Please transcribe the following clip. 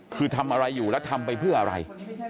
คือทำอะไรอยู่แล้วทำไปเพื่ออะไร